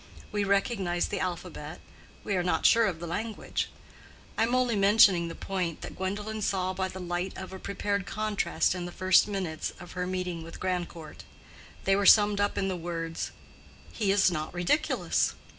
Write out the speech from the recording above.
We recognize the alphabet; we are not sure of the language. I am only mentioning the point that Gwendolen saw by the light of a prepared contrast in the first minutes of her meeting with Grandcourt: they were summed up in the words, "He is not ridiculous."